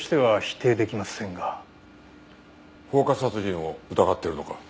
放火殺人を疑ってるのか？